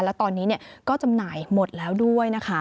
และตอนนี้ก็จำหน่ายหมดแล้วด้วยนะคะ